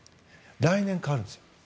来年、変わるんです。